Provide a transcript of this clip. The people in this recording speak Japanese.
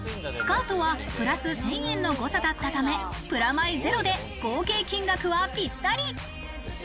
スカートはプラス１０００円の誤差だったため、プラマイゼロで合計金額はぴったり。